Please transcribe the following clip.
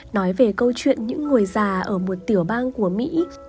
nói về câu chuyện những người già ở một tiểu bang của mỹ